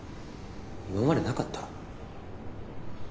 今までなかったろ。